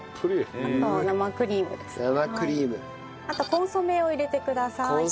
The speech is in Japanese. あとコンソメを入れてください。